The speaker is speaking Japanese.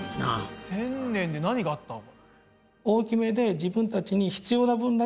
１０００年で何があったの？